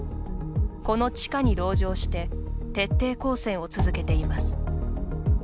この地下に籠城して徹底抗戦を続けています。